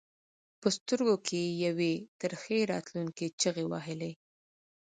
په سترګو کې یې یوې ترخې راتلونکې چغې وهلې.